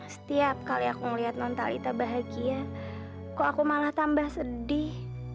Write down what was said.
setiap kali aku melihat nontalita bahagia kok aku malah tambah sedih